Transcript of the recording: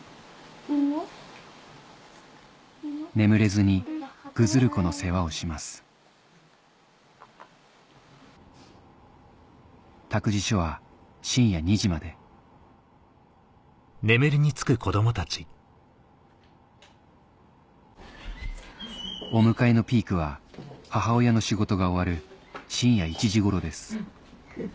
眠れずにぐずる子の世話をします託児所は深夜２時までお迎えのピークは母親の仕事が終わる深夜１時頃です